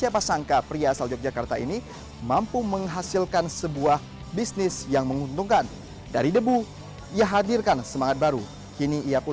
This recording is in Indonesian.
justru mampu berkembang menjadi sebuah bisnis yang sudah berjalan selama sepuluh tahun